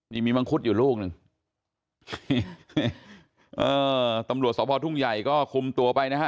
นี่มีมังคุดอยู่ลูกหนึ่งเอ่อตำรวจสพทุ่งใหญ่ก็คุมตัวไปนะฮะ